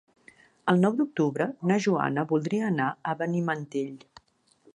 El nou d'octubre na Joana voldria anar a Benimantell.